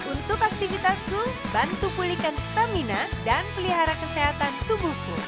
untuk aktivitasku bantu pulihkan stamina dan pelihara kesehatan tubuhku